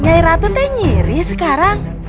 nyai ratu deh nyiri sekarang